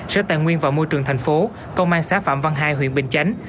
sở tài nguyên và môi trường thành phố công an xã phạm văn hai huyện bình chánh